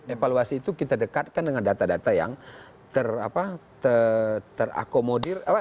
evaluasi itu kita dekatkan dengan data data yang terakomodir